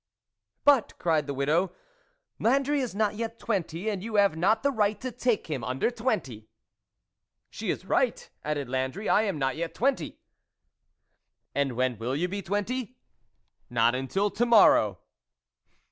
"" But," cried the widow, " Landry is not yet twenty, and you have not the right to take him under twenty." " She is right," added Landry, " I am not twenty yet." " And when will you be twenty ?"" Not until to morrow."